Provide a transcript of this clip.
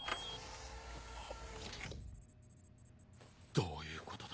どういうことだ？